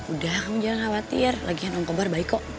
udah kamu jangan khawatir lagian om kobar baik kok